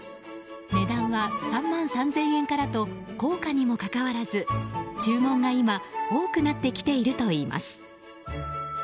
値段は３万３０００円からと高価にもかかわらず注文が今多くなってきているといいます。